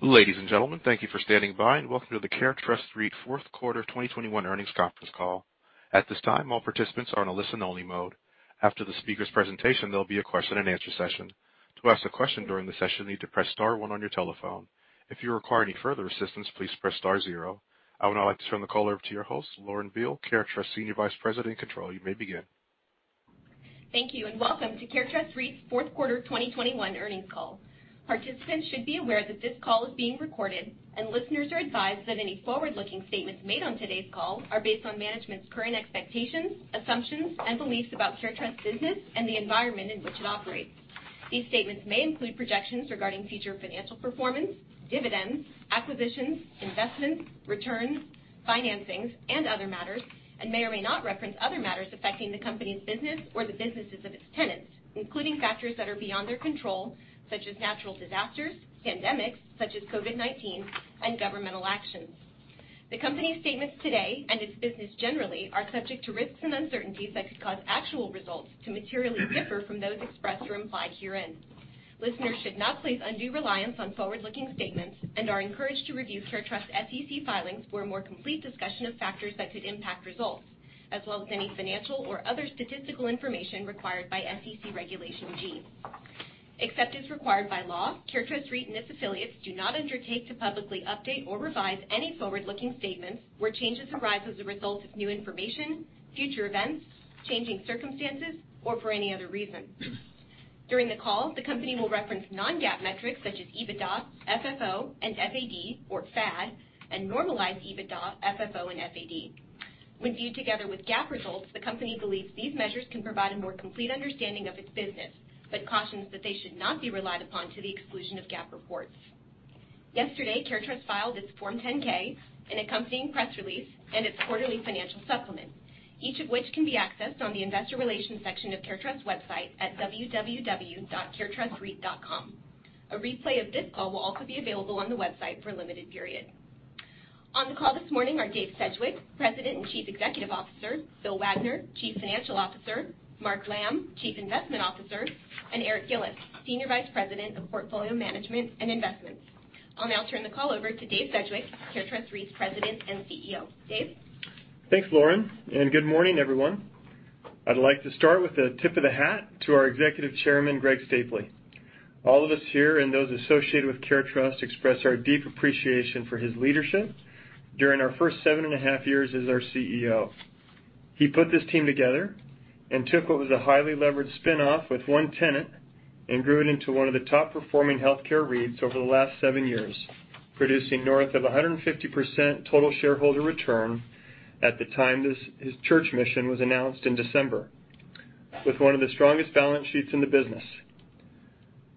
Ladies and gentlemen, thank you for standing by and welcome to the CareTrust REIT Q4 2021 earnings conference call. At this time, all participants are in a listen-only mode. After the speaker's presentation, there'll be a question-and-answer session. To ask a question during the session, you need to press star one on your telephone. If you require any further assistance, please press star zero. I would now like to turn the call over to your host, Lauren Beale, CareTrust Senior Vice President and Controller. You may begin. Thank you and welcome to CareTrust REIT's Q4 2021 earnings call. Participants should be aware that this call is being recorded, and listeners are advised that any forward-looking statements made on today's call are based on management's current expectations, assumptions, and beliefs about CareTrust's business and the environment in which it operates. These statements may include projections regarding future financial performance, dividends, acquisitions, investments, returns, financings, and other matters, and may or may not reference other matters affecting the company's business or the businesses of its tenants, including factors that are beyond their control, such as natural disasters, pandemics such as COVID-19, and governmental actions. The company's statements today and its business generally are subject to risks and uncertainties that could cause actual results to materially differ from those expressed or implied herein. Listeners should not place undue reliance on forward-looking statements and are encouraged to review CareTrust's SEC filings for a more complete discussion of factors that could impact results, as well as any financial or other statistical information required by SEC Regulation G. Except as required by law, CareTrust REIT and its affiliates do not undertake to publicly update or revise any forward-looking statements where changes arise as a result of new information, future events, changing circumstances, or for any other reason. During the call, the company will reference non-GAAP metrics such as EBITDA, FFO, and FAD, or FAD, and normalized EBITDA, FFO, and FAD. When viewed together with GAAP results, the company believes these measures can provide a more complete understanding of its business, but cautions that they should not be relied upon to the exclusion of GAAP reports. Yesterday, CareTrust filed its Form 10-K, an accompanying press release, and its quarterly financial supplement, each of which can be accessed on the investor relations section of CareTrust's website at www.caretrustreit.com. A replay of this call will also be available on the website for a limited period. On the call this morning are Dave Sedgwick, President and Chief Executive Officer, Bill Wagner, Chief Financial Officer, Mark Lamb, Chief Investment Officer, and Eric Gillis, Senior Vice President of Portfolio Management and Investments. I'll now turn the call over to Dave Sedgwick, CareTrust REIT's President and CEO. Dave? Thanks, Lauren, and good morning, everyone. I'd like to start with a tip of the hat to our Executive Chairman, Greg Stapley. All of us here and those associated with CareTrust express our deep appreciation for his leadership during our first seven and a half years as our CEO. He put this team together and took what was a highly leveraged spin-off with one tenant and grew it into one of the top-performing healthcare REITs over the last seven years, producing north of 150% total shareholder return at the time this, his church mission was announced in December, with one of the strongest balance sheets in the business.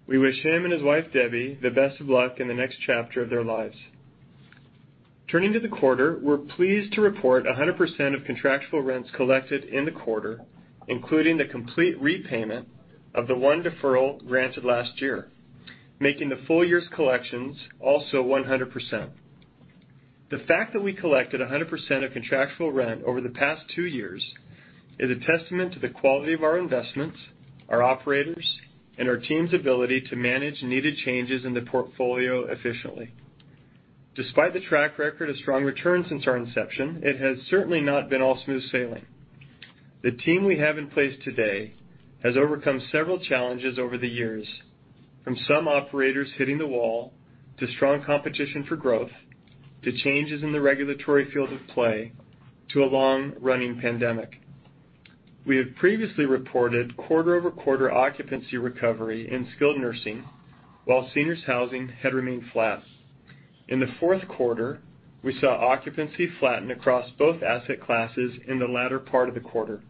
We wish him and his wife, Debbie, the best of luck in the next chapter of their lives. Turning to the quarter, we're pleased to report 100% of contractual rents collected in the quarter, including the complete repayment of the one deferral granted last year, making the full year's collections also 100%. The fact that we collected 100% of contractual rent over the past two years is a testament to the quality of our investments, our operators, and our team's ability to manage needed changes in the portfolio efficiently. Despite the track record of strong returns since our inception, it has certainly not been all smooth sailing. The team we have in place today has overcome several challenges over the years, from some operators hitting the wall, to strong competition for growth, to changes in the regulatory field of play, to a long-running pandemic. We have previously reported quarter-over-quarter occupancy recovery in skilled nursing, while seniors housing had remained flat. In the Q4, we saw occupancy flatten across both asset classes in the latter part of the quarter.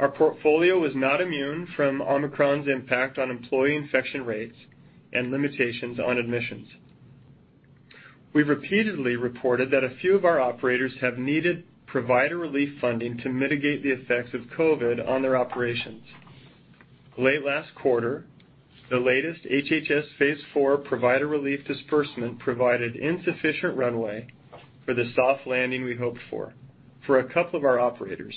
Our portfolio was not immune from Omicron's impact on employee infection rates and limitations on admissions. We've repeatedly reported that a few of our operators have needed provider relief funding to mitigate the effects of COVID on their operations. Late last quarter, the latest HHS Phase 4 provider relief disbursement provided insufficient runway for the soft landing we hoped for for a couple of our operators,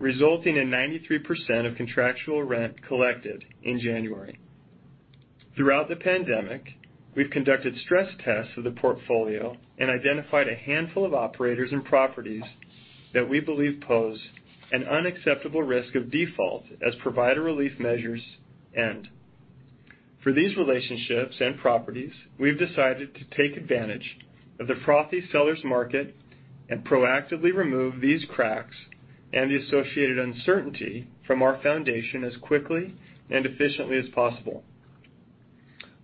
resulting in 93% of contractual rent collected in January. Throughout the pandemic, we've conducted stress tests of the portfolio and identified a handful of operators and properties that we believe pose an unacceptable risk of default as provider relief measures end. For these relationships and properties, we've decided to take advantage of the frothy sellers market and proactively remove these cracks and the associated uncertainty from our foundation as quickly and efficiently as possible.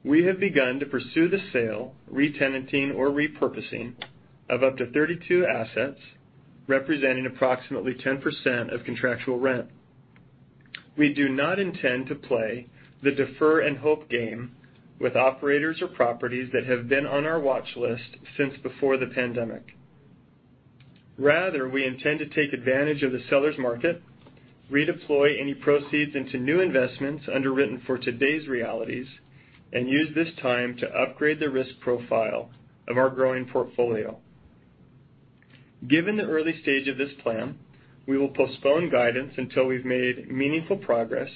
We have begun to pursue the sale, retenanting, or repurposing of up to 32 assets, representing approximately 10% of contractual rent. We do not intend to play the defer and hope game with operators or properties that have been on our watch list since before the pandemic. Rather, we intend to take advantage of the sellers market, redeploy any proceeds into new investments underwritten for today's realities, and use this time to upgrade the risk profile of our growing portfolio. Given the early stage of this plan, we will postpone guidance until we've made meaningful progress,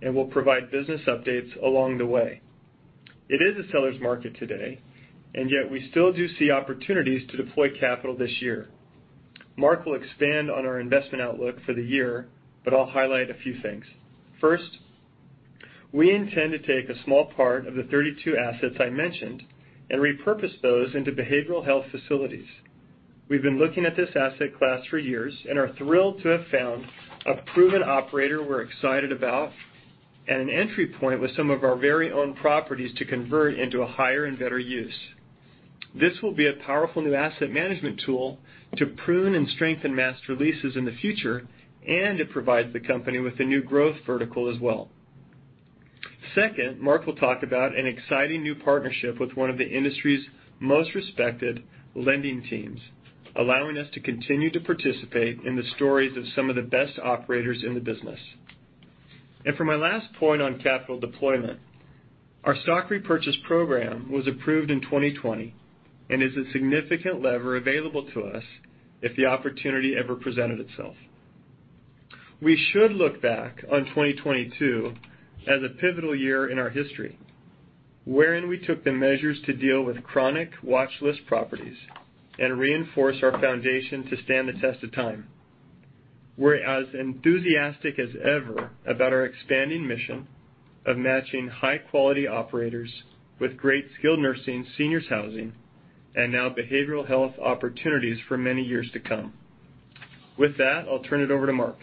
and we'll provide business updates along the way. It is a seller's market today, and yet we still do see opportunities to deploy capital this year. Mark will expand on our investment outlook for the year, but I'll highlight a few things. First, we intend to take a small part of the 32 assets I mentioned and repurpose those into behavioral health facilities. We've been looking at this asset class for years and are thrilled to have found a proven operator we're excited about and an entry point with some of our very own properties to convert into a higher and better use. This will be a powerful new asset management tool to prune and strengthen master leases in the future, and it provides the company with a new growth vertical as well. Second, Mark will talk about an exciting new partnership with one of the industry's most respected lending teams, allowing us to continue to participate in the stories of some of the best operators in the business. For my last point on capital deployment, our stock repurchase program was approved in 2020 and is a significant lever available to us if the opportunity ever presented itself. We should look back on 2022 as a pivotal year in our history, wherein we took the measures to deal with chronic watchlist properties and reinforce our foundation to stand the test of time. We're as enthusiastic as ever about our expanding mission of matching high-quality operators with great skilled nursing, seniors housing, and now behavioral health opportunities for many years to come. With that, I'll turn it over to Mark.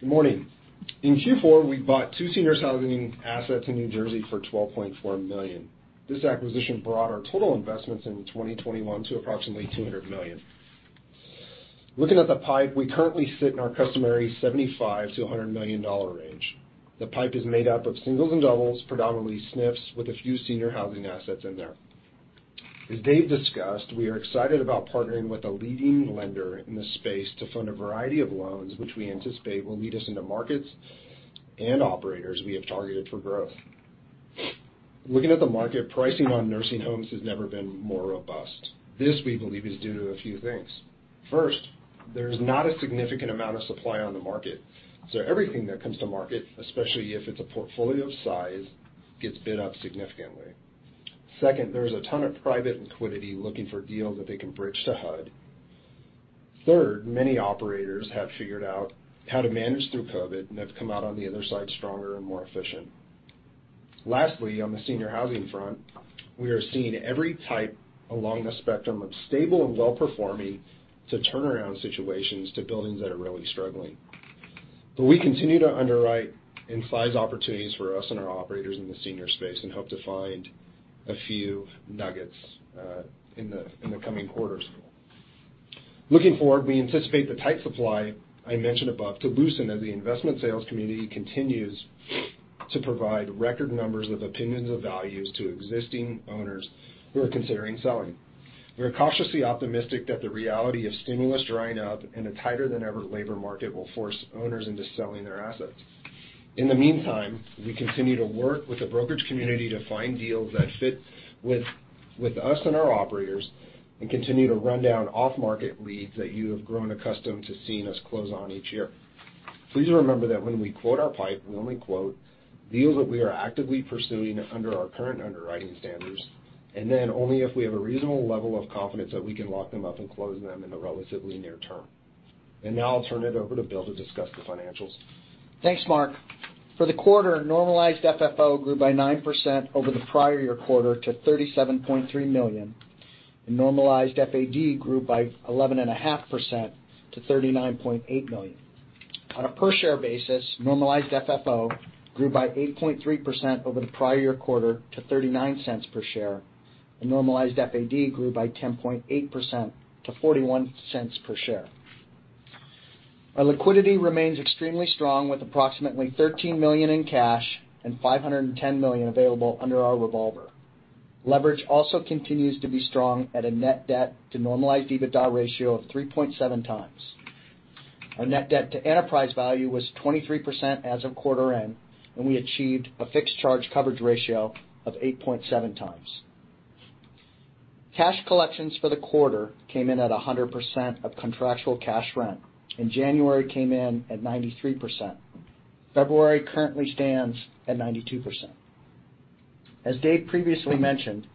Good morning. In Q4, we bought two senior housing assets in New Jersey for $12.4 million. This acquisition brought our total investments in 2021 to approximately $200 million. Looking at the pipe, we currently sit in our customary $75 million-$100 million range. The pipe is made up of singles and doubles, predominantly SNFs, with a few senior housing assets in there. As Dave discussed, we are excited about partnering with a leading lender in the space to fund a variety of loans, which we anticipate will lead us into markets and operators we have targeted for growth. Looking at the market, pricing on nursing homes has never been more robust. This, we believe, is due to a few things. First, there's not a significant amount of supply on the market, so everything that comes to market, especially if it's a portfolio of size, gets bid up significantly. Second, there's a ton of private liquidity looking for deals that they can bridge to HUD. Third, many operators have figured out how to manage through COVID and have come out on the other side stronger and more efficient. Lastly, on the senior housing front, we are seeing every type along the spectrum of stable and well-performing to turnaround situations to buildings that are really struggling. We continue to underwrite and size opportunities for us and our operators in the senior space and hope to find a few nuggets in the coming quarters. Looking forward, we anticipate the tight supply I mentioned above to loosen as the investment sales community continues to provide record numbers of opinions of values to existing owners who are considering selling. We are cautiously optimistic that the reality of stimulus drying up in a tighter than ever labor market will force owners into selling their assets. In the meantime, we continue to work with the brokerage community to find deals that fit with us and our operators and continue to run down off-market leads that you have grown accustomed to seeing us close on each year. Please remember that when we quote our pipe, we only quote deals that we are actively pursuing under our current underwriting standards, and then only if we have a reasonable level of confidence that we can lock them up and close them in the relatively near term. Now I'll turn it over to Bill to discuss the financials. Thanks, Mark. For the quarter, normalized FFO grew by 9% over the prior year quarter to $37.3 million, and normalized FAD grew by 11.5% to $39.8 million. On a per share basis, normalized FFO grew by 8.3% over the prior year quarter to $0.39 per share, and normalized FAD grew by 10.8% to $0.41 per share. Our liquidity remains extremely strong with approximately $13 million in cash and $510 million available under our revolver. Leverage also continues to be strong at a net debt to normalized EBITDA ratio of 3.7x. Our net debt to enterprise value was 23% as of quarter end, and we achieved a fixed charge coverage ratio of 8.7x. Cash collections for the quarter came in at 100% of contractual cash rent, and January came in at 93%. February currently stands at 92%. As Dave previously mentioned,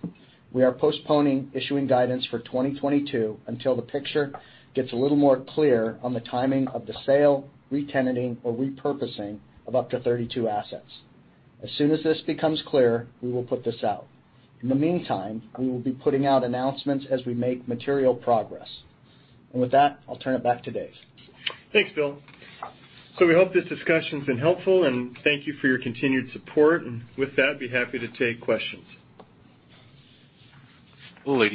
we are postponing issuing guidance for 2022 until the picture gets a little more clear on the timing of the sale, retenanting, or repurposing of up to 32 assets. As soon as this becomes clear, we will put this out. In the meantime, we will be putting out announcements as we make material progress. With that, I'll turn it back to Dave. Thanks, Bill. We hope this discussion's been helpful, and thank you for your continued support. With that, I'd be happy to take questions. Our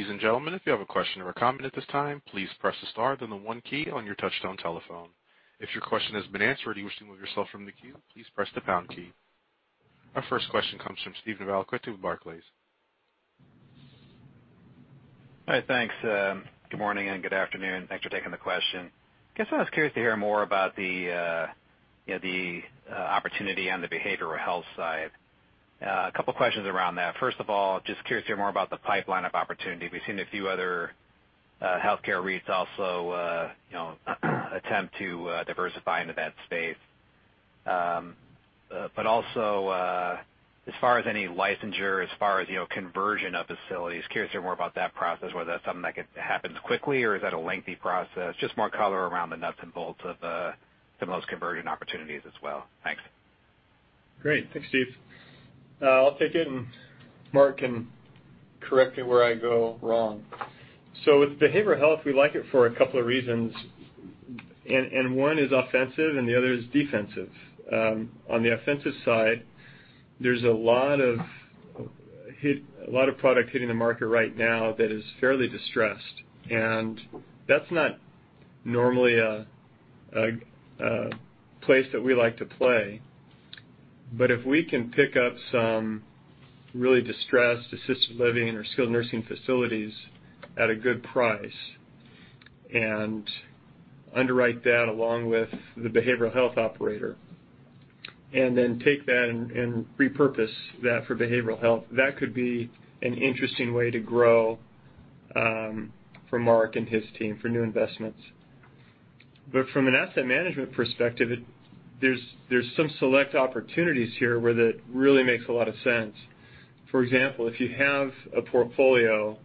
first question comes from Steven Valiquette at Barclays. Hi. Thanks. Good morning and good afternoon. Thanks for taking the question. Guess I was curious to hear more about the opportunity on the behavioral health side. A couple questions around that. First of all, just curious to hear more about the pipeline of opportunity. We've seen a few other healthcare REITs also attempt to diversify into that space. But also, as far as any licensure, as far as conversion of facilities, curious to hear more about that process, whether that's something that could happen quickly, or is that a lengthy process? Just more color around the nuts and bolts of some of those conversion opportunities as well. Thanks. Great. Thanks, Steve. I'll take it, and Mark can correct me where I go wrong. With behavioral health, we like it for a couple of reasons. One is offensive, and the other is defensive. On the offensive side, there's a lot of product hitting the market right now that is fairly distressed, and that's not normally a place that we like to play. But if we can pick up some really distressed assisted living or skilled nursing facilities at a good price and underwrite that along with the behavioral health operator, and then take that and repurpose that for behavioral health, that could be an interesting way to grow, for Mark and his team for new investments. From an asset management perspective, there's some select opportunities here where that really makes a lot of sense. For example, if you have a portfolio,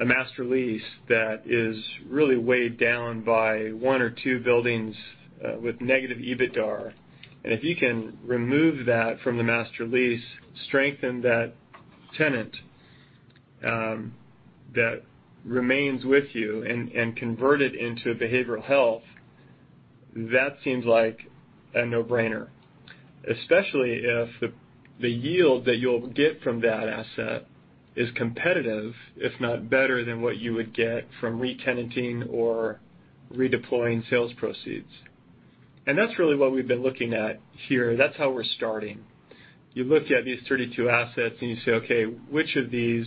a master lease that is really weighed down by one or two buildings, with negative EBITDAR, and if you can remove that from the master lease, strengthen that tenant, that remains with you and convert it into behavioral health, that seems like a no-brainer, especially if the yield that you'll get from that asset is competitive, if not better than what you would get from re-tenanting or redeploying sales proceeds. That's really what we've been looking at here. That's how we're starting. You look at these 32 assets, and you say, "Okay, which of these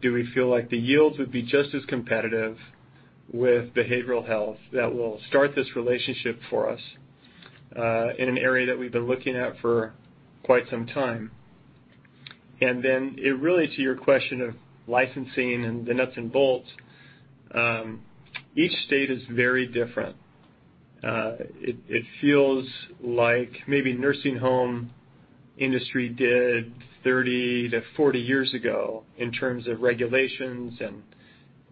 do we feel like the yields would be just as competitive with behavioral health that will start this relationship for us, in an area that we've been looking at for quite some time?" Really to your question of licensing and the nuts and bolts, each state is very different. It feels like maybe nursing home industry did 30-40 years ago in terms of regulations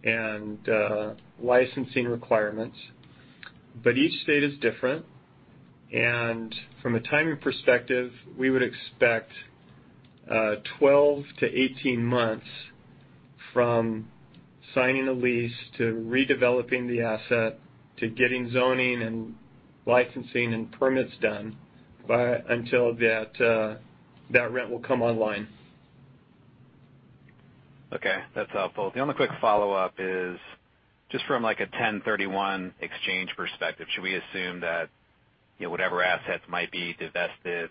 and licensing requirements, each state is different. From a timing perspective, we would expect 12-18 months from signing a lease to redeveloping the asset, to getting zoning and licensing and permits done until that rent will come online. Okay, that's helpful. The only quick follow-up is just from, like, a ten thirty-one exchange perspective, should we assume that, you know, whatever assets might be divested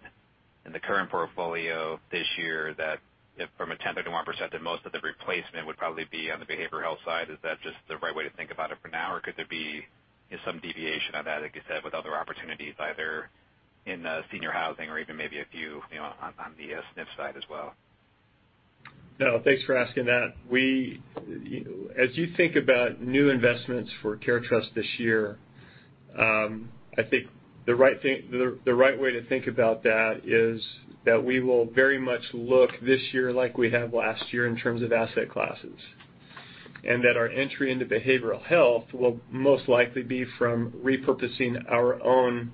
in the current portfolio this year, that if from a ten thirty-one perspective, most of the replacement would probably be on the behavioral health side? Is that just the right way to think about it for now? Or could there be some deviation on that, like you said, with other opportunities, either in the senior housing or even maybe a few, you know, on the SNF side as well? No, thanks for asking that. As you think about new investments for CareTrust this year, I think the right thing, the right way to think about that is that we will very much look this year like we have last year in terms of asset classes, and that our entry into behavioral health will most likely be from repurposing our own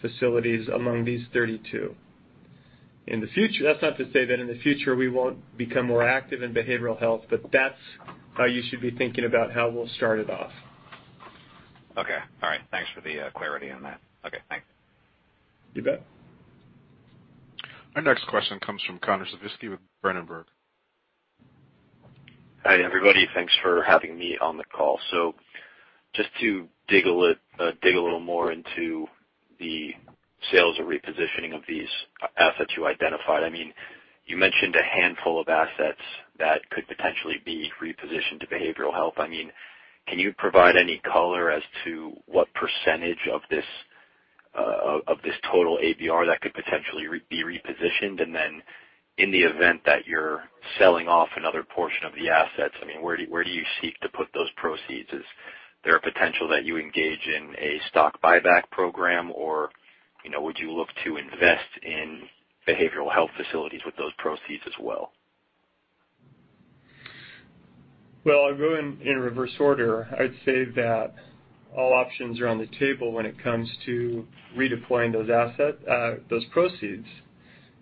facilities among these 32. In the future, that's not to say that in the future we won't become more active in behavioral health, but that's how you should be thinking about how we'll start it off. Okay. All right. Thanks for the clarity on that. Okay, thanks. You bet. Our next question comes from Connor Siversky with Berenberg. Hi, everybody. Thanks for having me on the call. Just to dig a little more into the sales or repositioning of these assets you identified. I mean, you mentioned a handful of assets that could potentially be repositioned to behavioral health. I mean, can you provide any color as to what percentage of this total ABR that could potentially be repositioned? Then in the event that you're selling off another portion of the assets, I mean, where do you seek to put those proceeds? Is there a potential that you engage in a stock buyback program, or, you know, would you look to invest in behavioral health facilities with those proceeds as well? Well, I'll go in reverse order. I'd say that all options are on the table when it comes to redeploying those proceeds,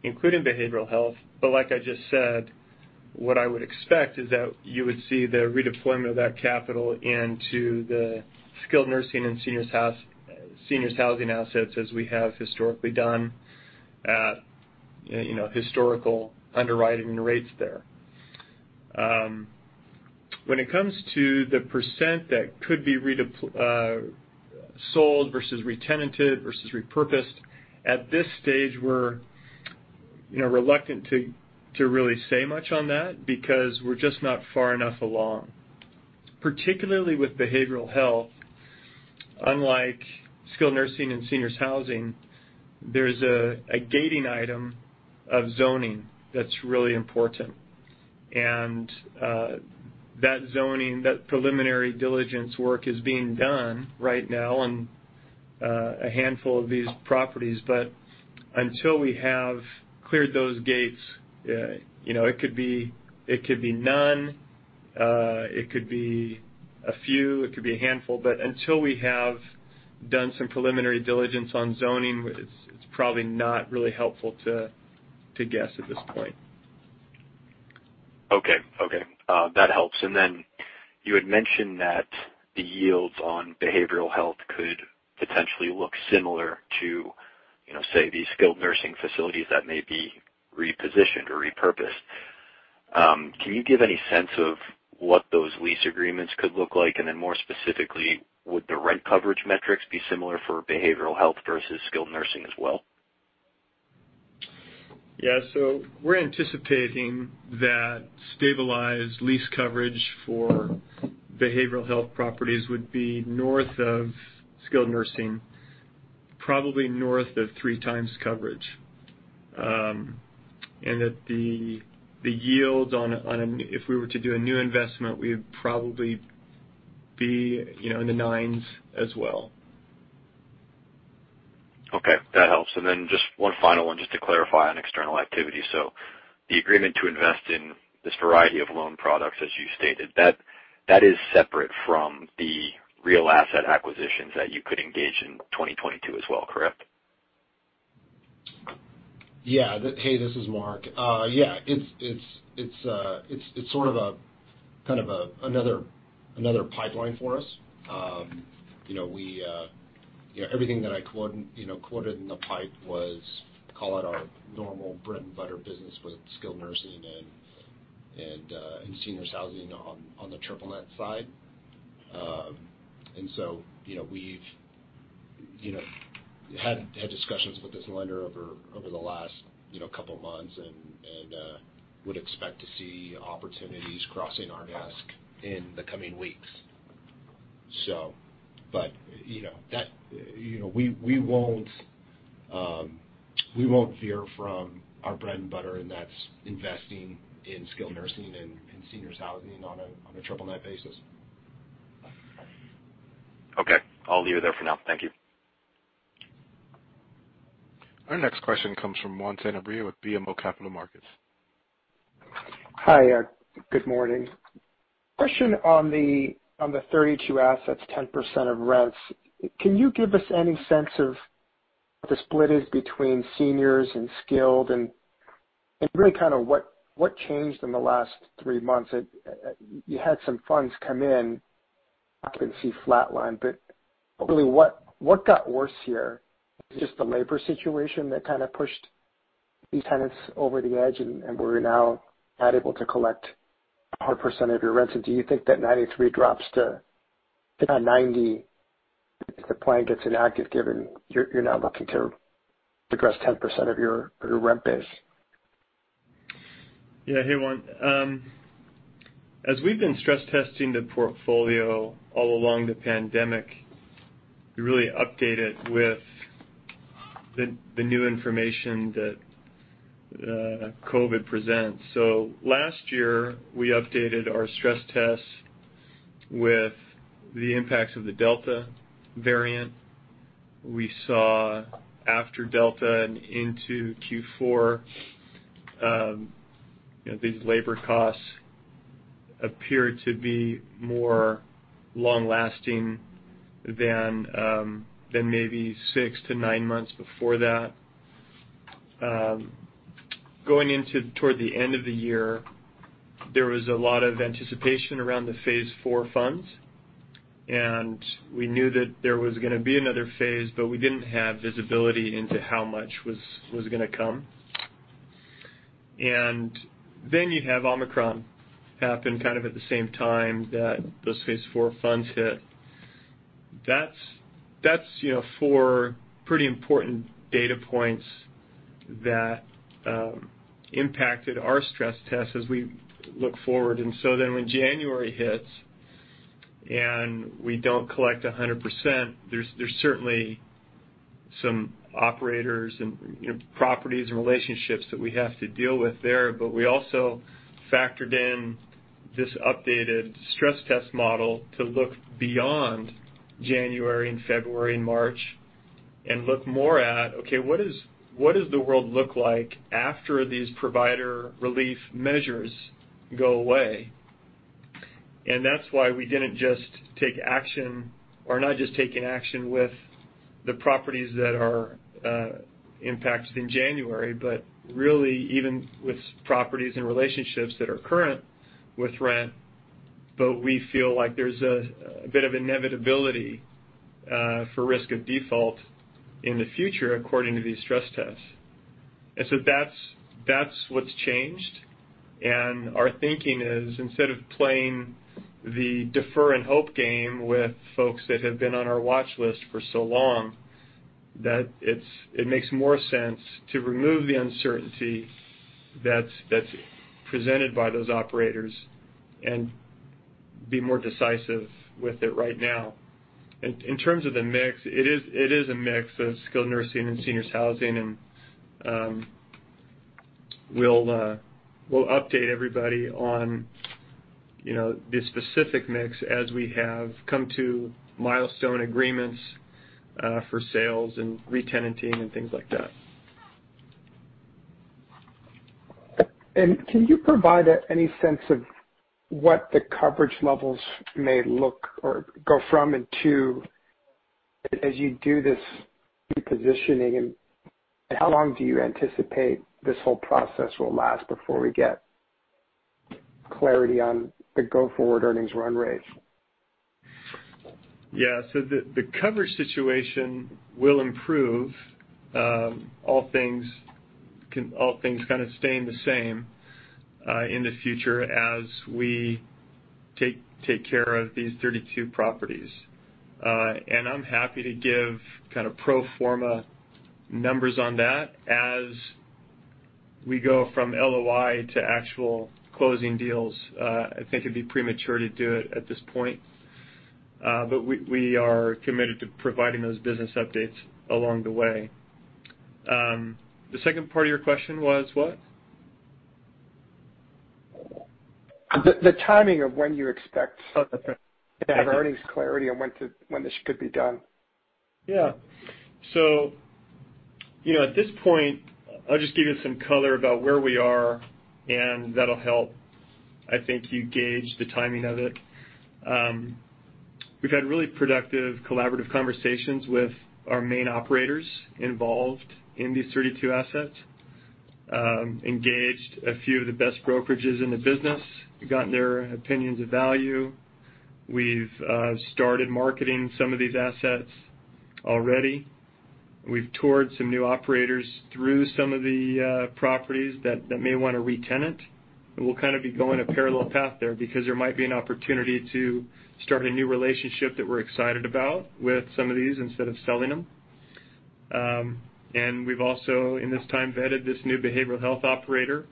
including behavioral health. Like I just said, what I would expect is that you would see the redeployment of that capital into the skilled nursing and seniors housing assets as we have historically done at, you know, historical underwriting rates there. When it comes to the percent that could be sold versus re-tenanted versus repurposed, at this stage we're, you know, reluctant to really say much on that because we're just not far enough along. Particularly with behavioral health, unlike skilled nursing and seniors housing, there's a gating item of zoning that's really important. That zoning, that preliminary diligence work is being done right now on a handful of these properties. Until we have cleared those gates, you know, it could be, it could be none, it could be a few, it could be a handful, but until we have done some preliminary diligence on zoning, it's probably not really helpful to guess at this point. Okay. That helps. You had mentioned that the yields on behavioral health could potentially look similar to, you know, say, the skilled nursing facilities that may be repositioned or repurposed. Can you give any sense of what those lease agreements could look like? More specifically, would the rent coverage metrics be similar for behavioral health versus skilled nursing as well? We're anticipating that stabilized lease coverage for behavioral health properties would be north of skilled nursing, probably north of three times coverage. That the yield on a if we were to do a new investment, we would probably be in the nines as well. Okay, that helps. Just one final one just to clarify on external activity. The agreement to invest in this variety of loan products, as you stated, that is separate from the real asset acquisitions that you could engage in 2022 as well, correct? Yeah. Hey, this is Mark. Yeah, it's sort of another pipeline for us. You know, everything that I quoted in the pipe was, call it our normal bread and butter business with skilled nursing and seniors housing on the triple net side. You know, we've had discussions with this lender over the last couple months and would expect to see opportunities crossing our desk in the coming weeks. You know, we won't veer from our bread and butter, and that's investing in skilled nursing and seniors housing on a triple net basis. Okay. I'll leave it there for now. Thank you. Our next question comes from Juan Sanabria with BMO Capital Markets. Hi, good morning. Question on the 32 assets, 10% of rents. Can you give us any sense of what the split is between seniors and skilled? And really kind of what changed in the last three months? You had some funds come in, occupancy flatlined. Really, what got worse here? Is it just the labor situation that kind of pushed these tenants over the edge, and we're now not able to collect 100% of your rents? And do you think that 93 drops to about 90 if the plan gets inactive, given you're now looking to progress 10% of your rent base? Yeah. Hey, Juan. As we've been stress testing the portfolio all along the pandemic, we really update it with the new information that COVID presents. Last year, we updated our stress test with the impacts of the Delta variant. We saw after Delta and into Q4, you know, these labor costs appear to be more long-lasting than maybe six to nine months before that. Going toward the end of the year, there was a lot of anticipation around the Phase Four funds, and we knew that there was gonna be another phase, but we didn't have visibility into how much was gonna come. Then you have Omicron happen kind of at the same time that those Phase Four funds hit. That's, you know, four pretty important data points that impacted our stress test as we look forward. When January hits and we don't collect 100%, there's certainly some operators and, you know, properties and relationships that we have to deal with there. We also factored in this updated stress test model to look beyond January and February and March and look more at, okay, what does the world look like after these provider relief measures go away? That's why we didn't just take action or not just taking action with the properties that are impacted in January, but really even with properties and relationships that are current with rent, but we feel like there's a bit of inevitability for risk of default in the future according to these stress tests. That's what's changed. Our thinking is, instead of playing the defer and hope game with folks that have been on our watch list for so long, it makes more sense to remove the uncertainty that's presented by those operators and be more decisive with it right now. In terms of the mix, it is a mix of skilled nursing and seniors housing. We'll update everybody on, you know, the specific mix as we have come to milestone agreements for sales and re-tenanting and things like that. Can you provide any sense of what the coverage levels may look or go from and to as you do this repositioning? How long do you anticipate this whole process will last before we get clarity on the go-forward earnings run rate? Yeah. The coverage situation will improve, all things kind of staying the same, in the future as we take care of these 32 properties. I'm happy to give kind of pro forma numbers on that as we go from LOI to actual closing deals. I think it'd be premature to do it at this point. We are committed to providing those business updates along the way. The second part of your question was what? The timing of when you expect Oh, okay. to have earnings clarity and when this could be done. Yeah. You know, at this point, I'll just give you some color about where we are, and that'll help, I think, you gauge the timing of it. We've had really productive collaborative conversations with our main operators involved in these 32 assets. We've engaged a few of the best brokerages in the business, gotten their opinions of value. We've started marketing some of these assets already. We've toured some new operators through some of the properties that may wanna re-tenant. We'll kind of be going a parallel path there because there might be an opportunity to start a new relationship that we're excited about with some of these instead of selling them. We've also, in this time, vetted this new behavioral health operator,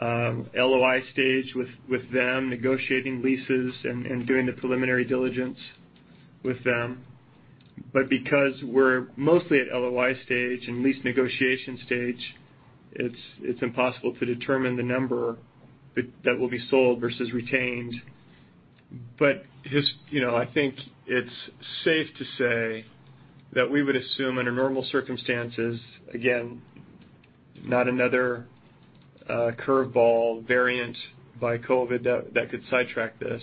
LOI stage with them, negotiating leases and doing the preliminary diligence with them. Because we're mostly at LOI stage and lease negotiation stage, it's impossible to determine the number that will be sold versus retained. Just, you know, I think it's safe to say that we would assume under normal circumstances, again, not another curveball variant of COVID that could sidetrack this,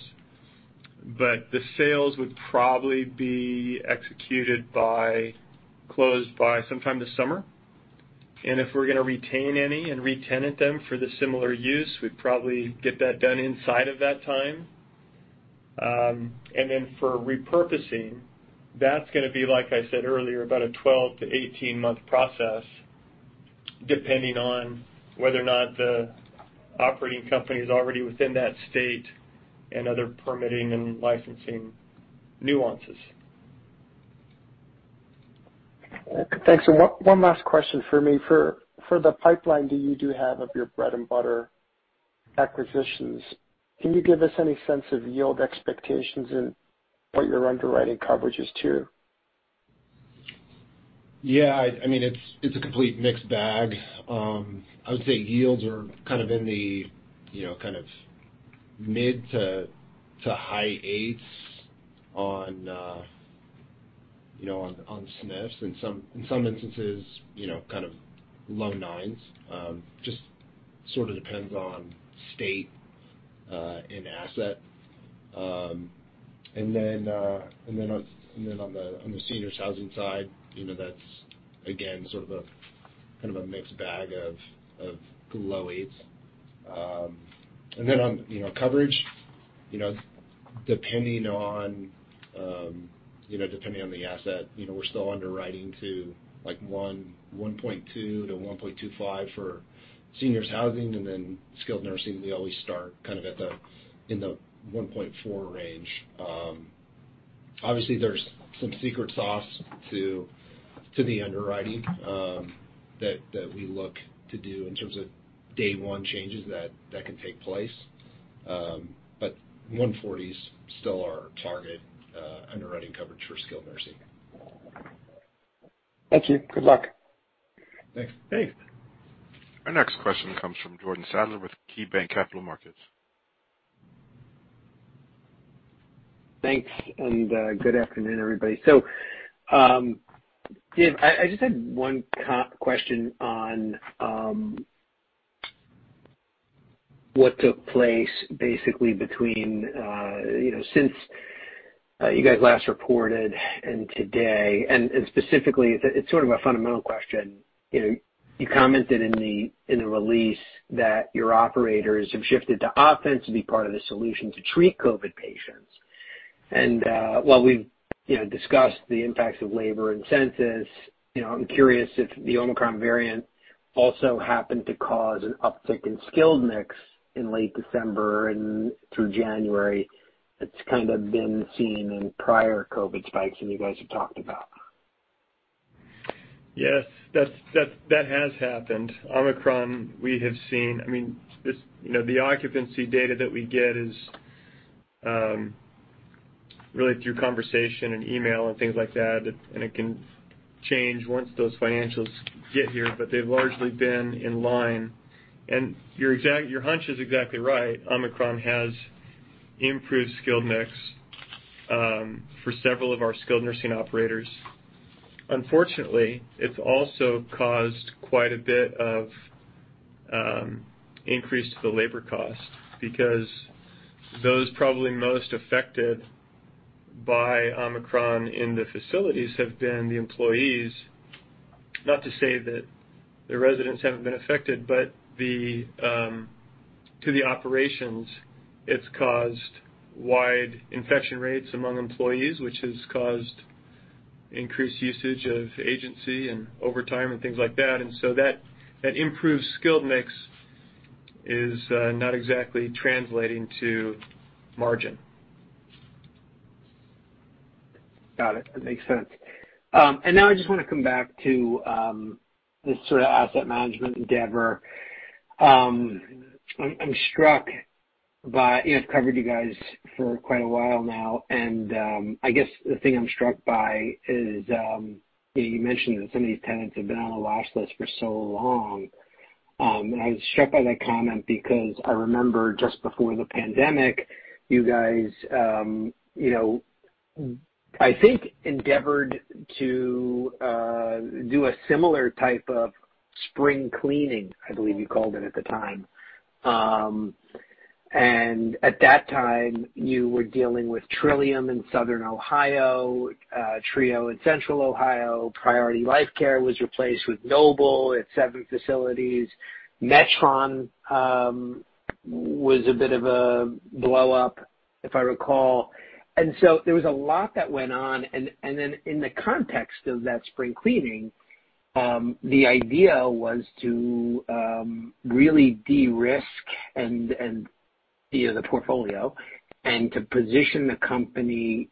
but the sales would probably be closed by sometime this summer. If we're gonna retain any and re-tenant them for the similar use, we'd probably get that done inside of that time. Then for repurposing, that's gonna be, like I said earlier, about a 12-18-month process, depending on whether or not the operating company is already within that state and other permitting and licensing nuances. Okay. Thanks. One last question from me. For the pipeline that you do have of your bread-and-butter acquisitions, can you give us any sense of yield expectations and what your underwriting coverage is too? Yeah. I mean, it's a complete mixed bag. I would say yields are kind of in the mid- to high 8s on SNFs. In some instances, low 9s. Just sort of depends on state and asset. And then on the seniors' housing side, that's again sort of a mixed bag of low 8s. And then on coverage, depending on the asset, we're still underwriting to like 1.2-1.25 for seniors housing, and then skilled nursing, we always start kind of at the 1.4 range. Obviously there's some secret sauce to the underwriting that we look to do in terms of day one changes that can take place. 140 is still our target underwriting coverage for skilled nursing. Thank you. Good luck. Thanks. Thanks. Our next question comes from Jordan Sadler with KeyBanc Capital Markets. Thanks, good afternoon, everybody. Dave, I just had one question on what took place basically between you know, since you guys last reported and today, and specifically, it's sort of a fundamental question. You know, you commented in the release that your operators have shifted to offense to be part of the solution to treat COVID patients. While we've you know, discussed the impacts of labor incentives. You know, I'm curious if the Omicron variant also happened to cause an uptick in skilled mix in late December and through January that's kind of been seen in prior COVID spikes that you guys have talked about. Yes, that has happened. Omicron, we have seen. I mean, this, you know, the occupancy data that we get is really through conversation and email and things like that, and it can change once those financials get here, but they've largely been in line. Your hunch is exactly right. Omicron has improved skilled mix for several of our skilled nursing operators. Unfortunately, it's also caused quite a bit of increase to the labor cost because those probably most affected by Omicron in the facilities have been the employees. Not to say that the residents haven't been affected, but to the operations, it's caused wide infection rates among employees, which has caused increased usage of agency and overtime and things like that. That improved skilled mix is not exactly translating to margin. Got it. That makes sense. Now I just wanna come back to this sort of asset management endeavor. I'm struck by, you know, I've covered you guys for quite a while now, and I guess the thing I'm struck by is, you know, you mentioned that some of these tenants have been on the watch list for so long. I was struck by that comment because I remember just before the pandemic, you guys, you know, I think endeavored to do a similar type of spring cleaning, I believe you called it at the time. At that time, you were dealing with Trillium in Southern Ohio, Trio in Central Ohio, Priority Life Care was replaced with Noble at seven facilities. Metron was a bit of a blowup, if I recall. There was a lot that went on. In the context of that spring cleaning, the idea was to really de-risk and you know the portfolio and to position the company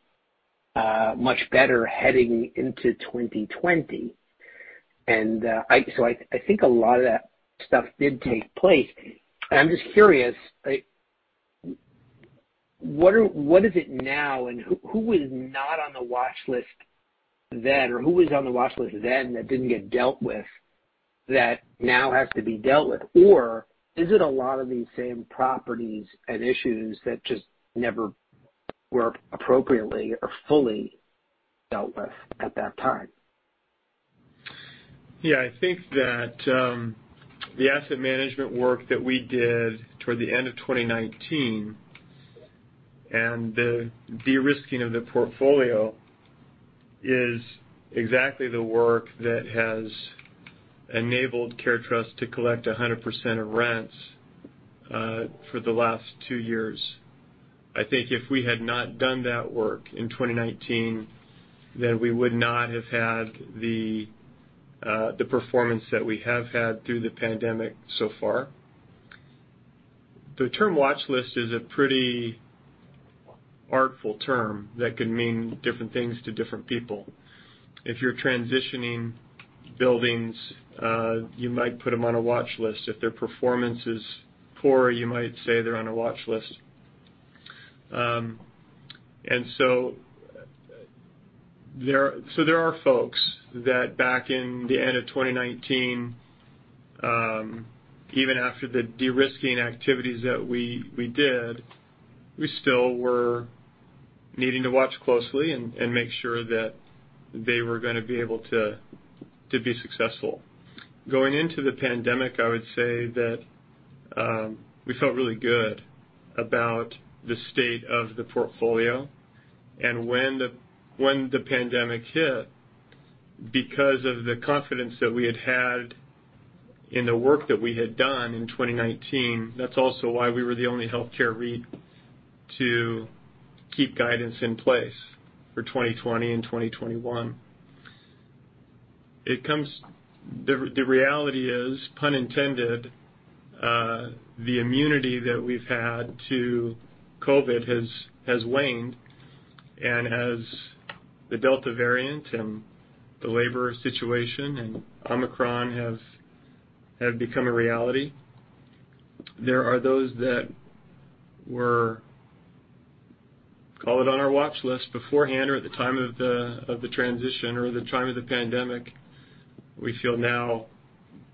much better heading into 2020. I think a lot of that stuff did take place. I'm just curious, like, what is it now and who was not on the watch list then, or who was on the watch list then that didn't get dealt with that now has to be dealt with? Is it a lot of these same properties and issues that just never were appropriately or fully dealt with at that time? Yeah. I think that the asset management work that we did toward the end of 2019 and the de-risking of the portfolio is exactly the work that has enabled CareTrust to collect 100% of rents for the last two years. I think if we had not done that work in 2019, then we would not have had the performance that we have had through the pandemic so far. The term watch list is a pretty artful term that can mean different things to different people. If you're transitioning buildings, you might put them on a watch list. If their performance is poor, you might say they're on a watch list. There are folks that back in the end of 2019, even after the de-risking activities that we did, we still were needing to watch closely and make sure that they were gonna be able to be successful. Going into the pandemic, I would say that we felt really good about the state of the portfolio. When the pandemic hit, because of the confidence that we had had in the work that we had done in 2019, that's also why we were the only healthcare REIT to keep guidance in place for 2020 and 2021. The reality is, pun intended, the immunity that we've had to COVID has waned. As the Delta variant and the labor situation and Omicron have become a reality, there are those that were, call it on our watch list beforehand or at the time of the transition or the time of the pandemic we feel now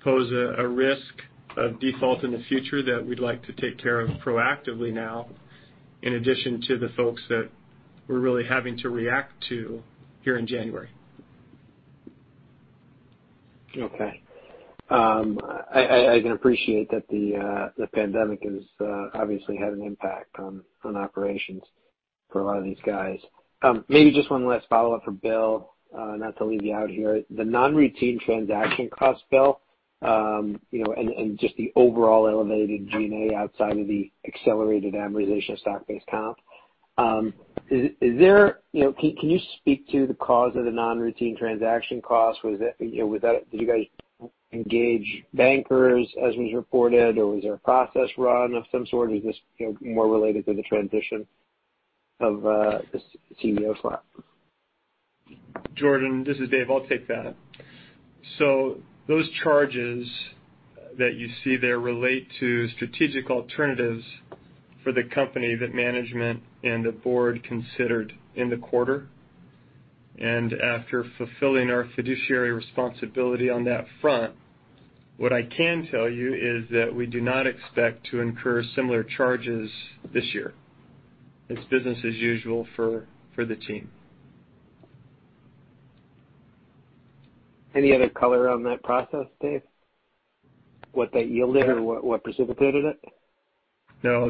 pose a risk of default in the future that we'd like to take care of proactively now, in addition to the folks that we're really having to react to here in January. Okay. I can appreciate that the pandemic has obviously had an impact on operations for a lot of these guys. Maybe just one last follow-up for Bill, not to leave you out here. The non-routine transaction costs, Bill, you know, and just the overall elevated G&A outside of the accelerated amortization of stock-based comp, is there, you know, can you speak to the cause of the non-routine transaction costs? Did you guys engage bankers as was reported, or was there a process run of some sort, or is this, you know, more related to the transition of the CEO swap? Jordan, this is Dave. I'll take that. Those charges that you see there relate to strategic alternatives for the company that management and the board considered in the quarter. After fulfilling our fiduciary responsibility on that front, what I can tell you is that we do not expect to incur similar charges this year. It's business as usual for the team. Any other color on that process, Dave? What that yielded or what precipitated it? No,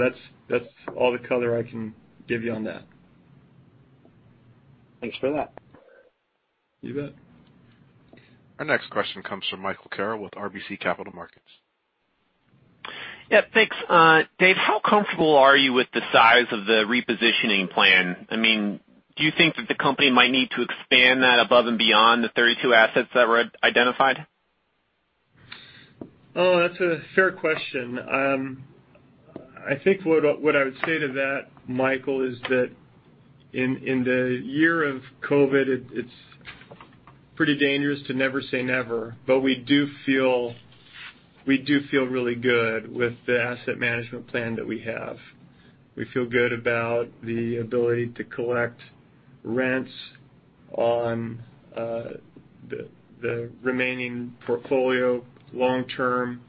that's all the color I can give you on that. Thanks for that. You bet. Our next question comes from Michael Carroll with RBC Capital Markets. Yeah, thanks. Dave, how comfortable are you with the size of the repositioning plan? I mean, do you think that the company might need to expand that above and beyond the 32 assets that were identified? Oh, that's a fair question. I think what I would say to that, Michael, is that in the year of COVID, it's pretty dangerous to never say never, but we do feel really good with the asset management plan that we have. We feel good about the ability to collect rents on the remaining portfolio long term.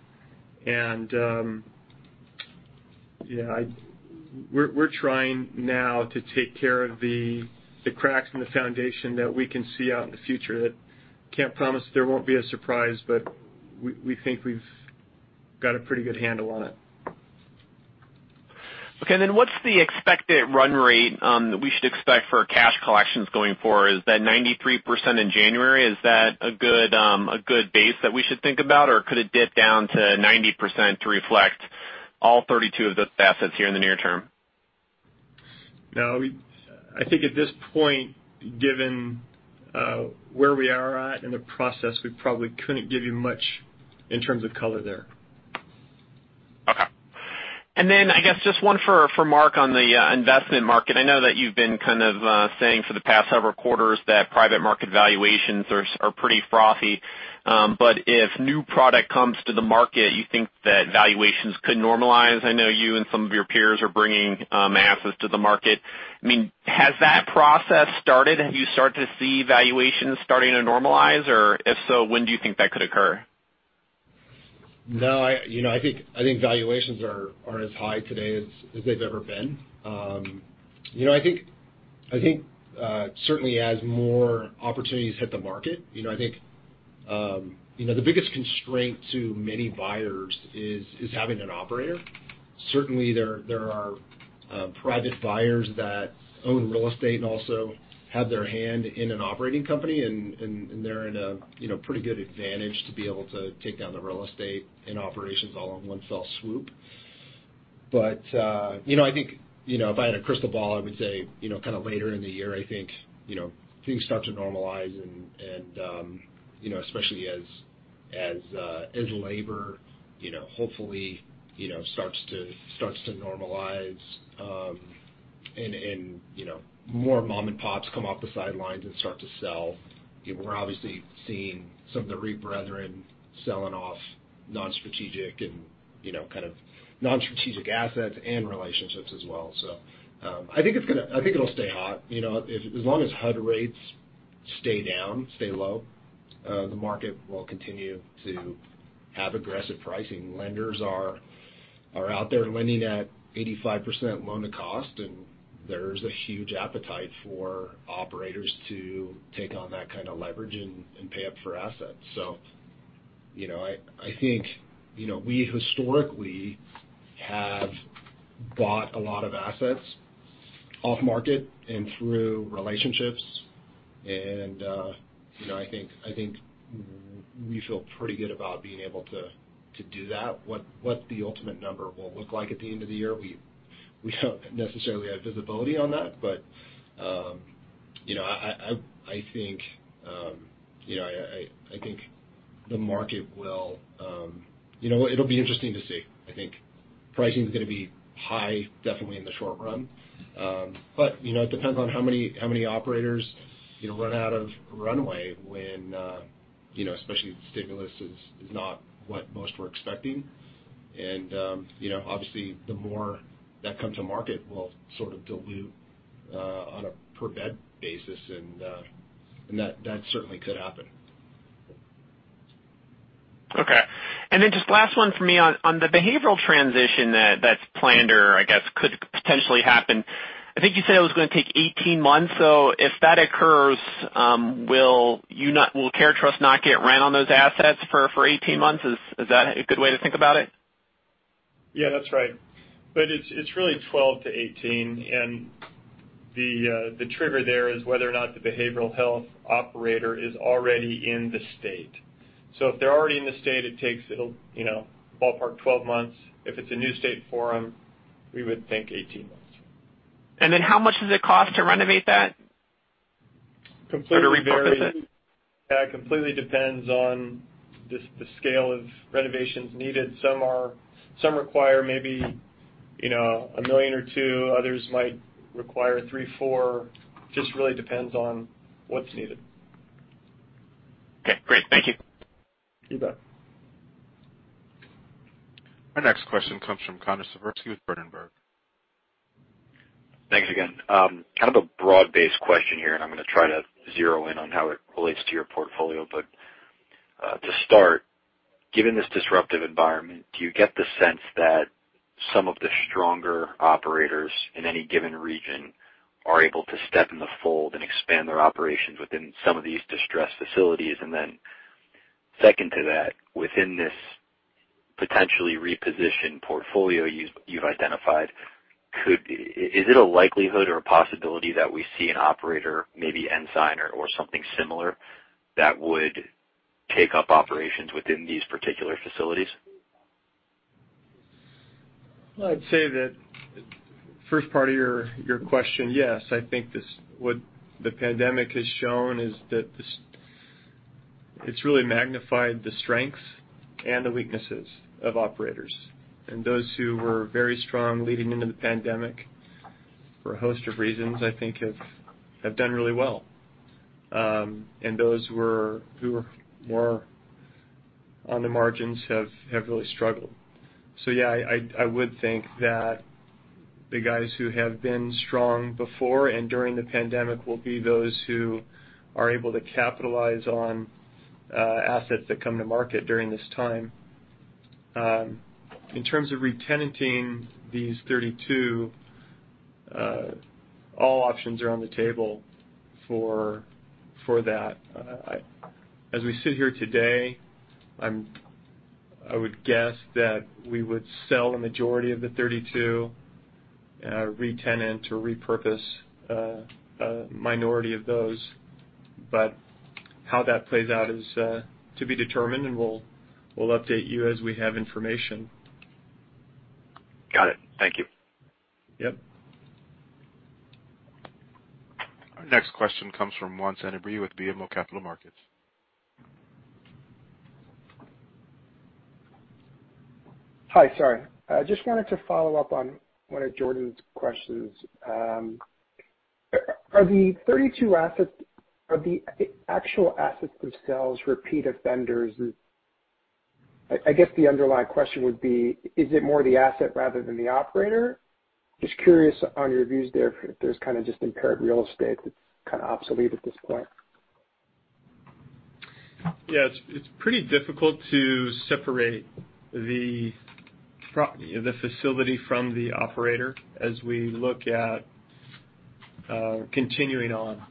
We're trying now to take care of the cracks in the foundation that we can see out in the future. Can't promise there won't be a surprise, but we think we've got a pretty good handle on it. Okay. What's the expected run rate that we should expect for cash collections going forward? Is that 93% in January? Is that a good base that we should think about, or could it dip down to 90% to reflect all 32 of the assets here in the near term? No, I think at this point, given where we are at in the process, we probably couldn't give you much in terms of color there. Okay. I guess just one for Mark on the investment market. I know that you've been kind of saying for the past several quarters that private market valuations are pretty frothy. If new product comes to the market, you think that valuations could normalize. I know you and some of your peers are bringing assets to the market. I mean, has that process started? Do you start to see valuations starting to normalize? If so, when do you think that could occur? No, you know, I think valuations are as high today as they've ever been. You know, I think certainly as more opportunities hit the market, you know, I think, you know, the biggest constraint to many buyers is having an operator. Certainly, there are private buyers that own real estate and also have their hand in an operating company, and they're in a, you know, pretty good advantage to be able to take down the real estate and operations all in one fell swoop. I think, you know, if I had a crystal ball, I would say, you know, kind of later in the year, I think, you know, things start to normalize and, you know, especially as labor, you know, hopefully, you know, starts to normalize, and, you know, more mom and pops come off the sidelines and start to sell. You know, we're obviously seeing some of the REIT brethren selling off non-strategic and, you know, kind of non-strategic assets and relationships as well. I think it's gonna. I think it'll stay hot. You know, as long as HUD rates stay down, stay low, the market will continue to have aggressive pricing. Lenders are out there lending at 85% loan to cost, and there's a huge appetite for operators to take on that kind of leverage and pay up for assets. You know, I think you know, we historically have bought a lot of assets off market and through relationships and you know, I think we feel pretty good about being able to do that. What the ultimate number will look like at the end of the year, we don't necessarily have visibility on that. You know, I think you know, I think the market will. You know what? It'll be interesting to see. I think pricing is gonna be high definitely in the short run. You know, it depends on how many operators, you know, run out of runway when, you know, especially if the stimulus is not what most were expecting. You know, obviously, the more that comes to market will sort of dilute on a per bed basis, and that certainly could happen. Okay. Just last one for me. On the behavioral transition that's planned or I guess could potentially happen, I think you said it was gonna take 18 months. If that occurs, Will CareTrust not get rent on those assets for 18 months? Is that a good way to think about it? Yeah, that's right. It's really 12-18. The trigger there is whether or not the behavioral health operator is already in the state. If they're already in the state, it takes 12 months, you know, ballpark. If it's a new state for 'em, we would think 18 months. How much does it cost to renovate that? Completely- To reposition? Yeah, it completely depends on the scale of renovations needed. Some require maybe, you know, $1 million or $2 million, others might require $3 million, $4 million, just really depends on what's needed. Okay, great. Thank you. You bet. Our next question comes from Connor Siversky with Berenberg. Thanks again. Kind of a broad-based question here, and I'm gonna try to zero in on how it relates to your portfolio. To start, given this disruptive environment, do you get the sense that some of the stronger operators in any given region are able to step in the fold and expand their operations within some of these distressed facilities? Then second to that, within this potentially repositioned portfolio you've identified, is it a likelihood or a possibility that we see an operator, maybe Ensign or something similar, that would take up operations within these particular facilities? Well, I'd say that first part of your question, yes. I think what the pandemic has shown is that it's really magnified the strengths and the weaknesses of operators. Those who were very strong leading into the pandemic for a host of reasons, I think have done really well. Those who were more on the margins have really struggled. Yeah, I would think that the guys who have been strong before and during the pandemic will be those who are able to capitalize on assets that come to market during this time. In terms of retenanting these 32, all options are on the table for that. As we sit here today, I would guess that we would sell a majority of the 32, retenant or repurpose a minority of those. How that plays out is to be determined, and we'll update you as we have information. Got it. Thank you. Yep. Our next question comes from Juan Sanabria with BMO Capital Markets. Hi, sorry. I just wanted to follow up on one of Jordan's questions. Are the 32 assets the actual assets themselves repeat offenders? I guess the underlying question would be, is it more the asset rather than the operator? Just curious on your views there if there's kinda just impaired real estate that's kinda obsolete at this point. Yeah. It's pretty difficult to separate the facility from the operator as we look at continuing on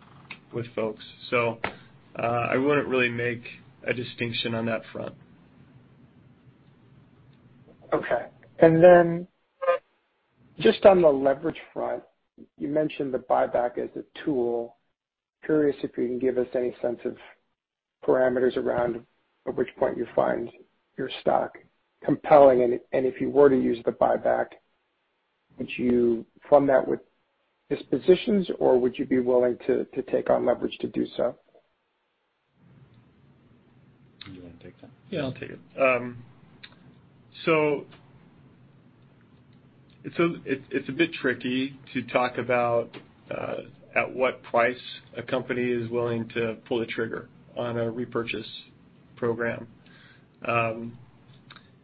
with folks. I wouldn't really make a distinction on that front. Okay. Just on the leverage front, you mentioned the buyback as a tool. Curious if you can give us any sense of parameters around at which point you find your stock compelling. If you were to use the buyback, would you fund that with dispositions, or would you be willing to take on leverage to do so? You wanna take that? Yeah, I'll take it. It's a bit tricky to talk about at what price a company is willing to pull the trigger on a repurchase program.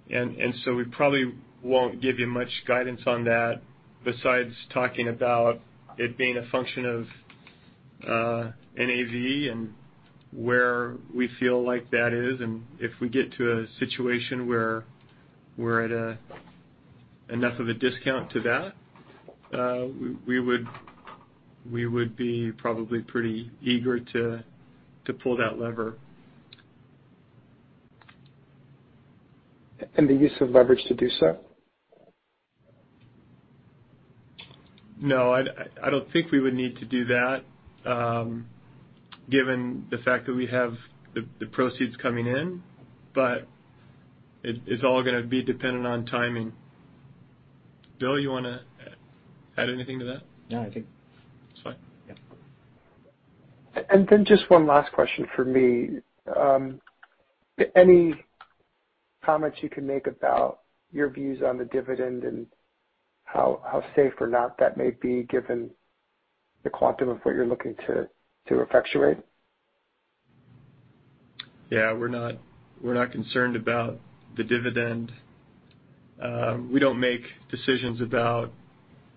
We probably won't give you much guidance on that besides talking about it being a function of NAV and where we feel like that is, and if we get to a situation where we're at enough of a discount to that, we would be probably pretty eager to pull that lever. The use of leverage to do so? No, I don't think we would need to do that, given the fact that we have the proceeds coming in, but it's all gonna be dependent on timing. Bill, you wanna add anything to that? No, I think it's fine. Yeah. Just one last question for me. Any comments you can make about your views on the dividend and how safe or not that may be given the quantum of what you're looking to effectuate? Yeah. We're not concerned about the dividend. We don't make decisions about,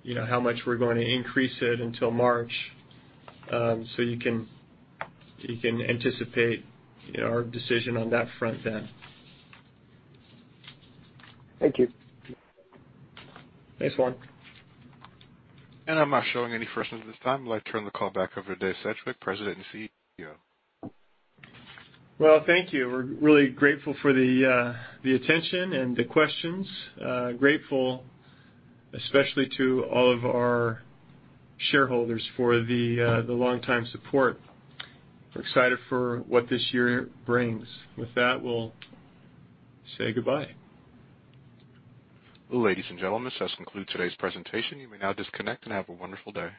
you know, how much we're going to increase it until March. You can anticipate, you know, our decision on that front then. Thank you. Thanks, Juan. I'm not showing any questions at this time. I'd like to turn the call back over to Dave Sedgwick, President and CEO. Well, thank you. We're really grateful for the attention and the questions. Grateful especially to all of our shareholders for the longtime support. We're excited for what this year brings. With that, we'll say goodbye. Ladies and gentlemen, this does conclude today's presentation. You may now disconnect and have a wonderful day.